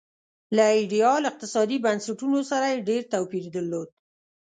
له ایډیال اقتصادي بنسټونو سره یې ډېر توپیر درلود.